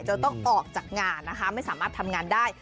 จะต้องออกจากงานนะคะไม่สามารถทำงานได้